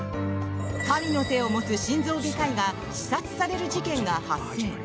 神の手を持つ心臓外科医が刺殺される事件が発生。